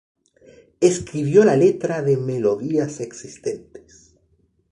Escribió la letra de melodías existentes.